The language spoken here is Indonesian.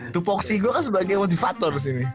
tuh foxy gue kan sebagai motivator sih